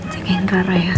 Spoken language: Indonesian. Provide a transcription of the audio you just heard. jagain ke arah ya